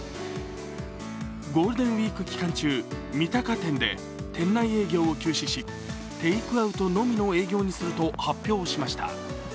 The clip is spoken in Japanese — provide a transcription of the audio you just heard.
ゴールデンウイーク期間中、三鷹店で店内営業を休止し、テイクアウトのみの営業にすると発表しました。